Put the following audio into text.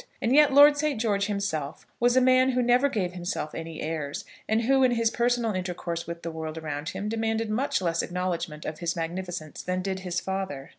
And yet Lord Saint George himself was a man who never gave himself any airs; and who in his personal intercourse with the world around him demanded much less acknowledgment of his magnificence than did his father.